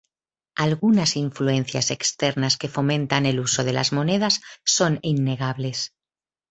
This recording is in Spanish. Algunas influencias externas que fomentan el uso de las monedas son innegables.